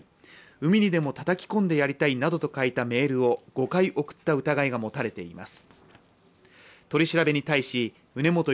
海にでもたたき込んでやりたいなどと書いたメールを５回送った疑いが持たれています。